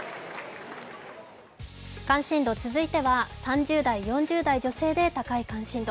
関心度、続いては３０代４０代女性で高い関心度。